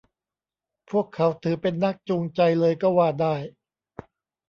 พวกเขาถือเป็นนักจูงใจเลยก็ว่าได้